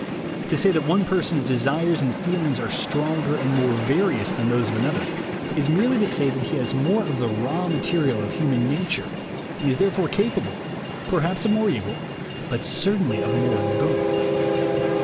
To say that one person's desires and feelings are stronger and THE WAY TO WILL POWER 27 more various than those of another, is merely to say that he has more of the raw material of human nature, and is therefore capable, perhaps of more evil, but certainly of more good.